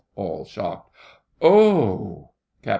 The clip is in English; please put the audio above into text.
ALL (shocked). Oh! CAPT.